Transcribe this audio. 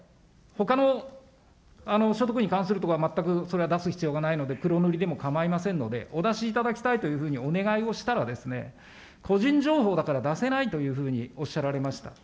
ほかの所得に関する所は全く、それは出す必要がないので、黒塗りでも構いませんので、お出しいただきたいというふうにお願いをしたらですね、個人情報だから出せないというふうにおっしゃられました。